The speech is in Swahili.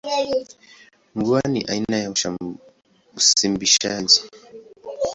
Mvua ni aina ya usimbishaji.